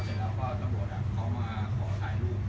เสร็จแล้วก็จับโทรศาสตร์อ่ะเขามาขอถ่ายรูป